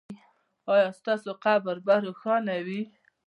ایا ستاسو قبر به روښانه وي؟